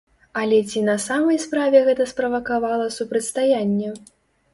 Але ці на самай справе гэта справакавала супрацьстаянне?